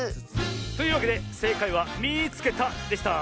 というわけでせいかいは「みいつけた！」でした。